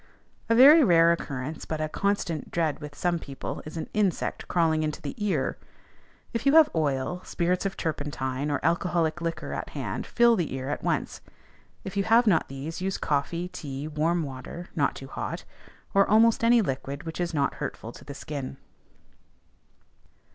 A very rare occurrence, but a constant dread with some people, is an insect crawling into the ear. If you have oil, spirits of turpentine, or alcoholic liquor at hand, fill the ear at once. If you have not these, use coffee, tea, warm water (not too hot), or almost any liquid which is not hurtful to the skin.